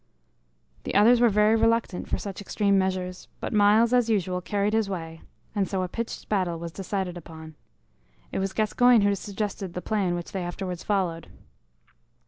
The others were very reluctant for such extreme measures, but Myles, as usual, carried his way, and so a pitched battle was decided upon. It was Gascoyne who suggested the plan which they afterwards followed.